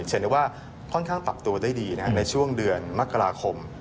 เห็นได้ว่าค่อนข้างปรับตัวได้ดีในช่วงเดือนมกราคม